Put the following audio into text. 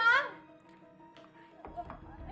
ya allah ya allah